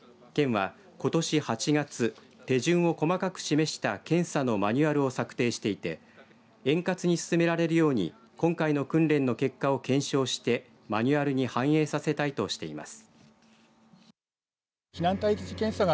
県はことし８月手順を細かく示した検査のマニュアルを策定していて円滑に進められるように今回の訓練の結果を検証してマニュアルに反映させたいとしています。